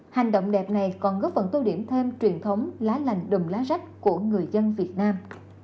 hành động đẹp này còn góp phần tô điểm thêm truyền thống lá lành đùm lá rách của người dân việt nam